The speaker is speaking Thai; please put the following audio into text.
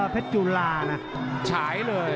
เพชรจุฬานะฉายเลย